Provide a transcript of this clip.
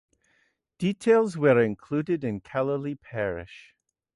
Details were included in Callaly parish.